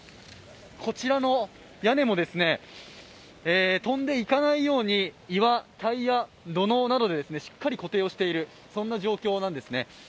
こちらの屋根も、飛んでいかないように岩、タイヤ、土のうなどでしっかり固定している状況なんですね。